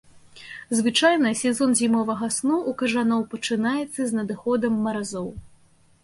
Звычайна сезон зімовага сну ў кажаноў пачынаецца з надыходам маразоў.